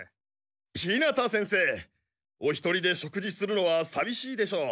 日向先生お一人で食事するのはさびしいでしょう？